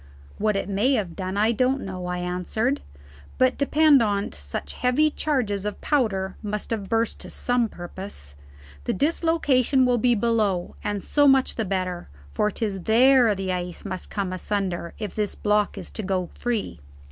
"What it may have done, I don't know," I answered; "but depend on't such heavy charges of powder must have burst to some purpose. The dislocation will be below; and so much the better, for 'tis there the ice must come asunder if this block is to go free."